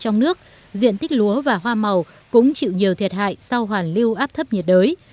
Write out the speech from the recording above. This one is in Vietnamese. trong nước diện tích lúa và hoa màu cũng chịu nhiều thiệt hại sau hoàn lưu áp thấp nhiệt đới